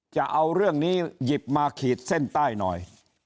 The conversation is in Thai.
จะเอาเรื่องนี้หยิบมาขีดเส้นใต้หน่อย